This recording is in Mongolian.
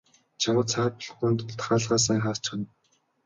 Чамд саад болохгүйн тулд хаалгаа сайн хаачихна.